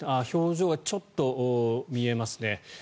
表情はちょっと見えますね。